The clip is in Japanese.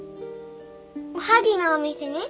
おはぎのお店に？